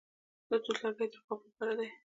د توت لرګي د رباب لپاره دي.